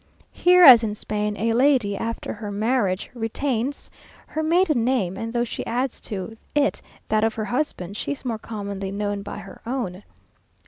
Here, as in Spain, a lady, after her marriage, retains her maiden name; and though she adds to it that of her husband, she is more commonly known by her own.